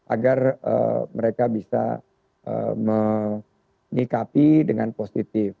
agar mereka bisa menyikapi dengan positif